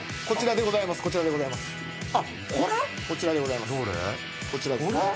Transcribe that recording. こちらでございます。